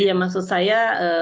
iya iya maksud saya harus dievaluasi